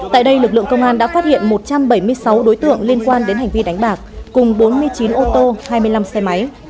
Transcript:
tại đây lực lượng công an đã phát hiện một trăm bảy mươi sáu đối tượng liên quan đến hành vi đánh bạc cùng bốn mươi chín ô tô hai mươi năm xe máy